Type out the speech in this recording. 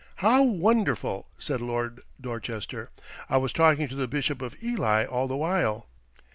"How wonderful!" said Lord Dorchester. "I was talking to the Bishop of Ely all the while."